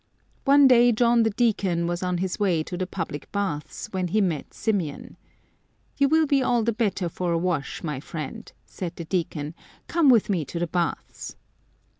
One day John the Deacon was on his way to the public baths, when he met Symeon. "You will be all the better for a wash, my friend," said the Deacon ;" come with me to the baths."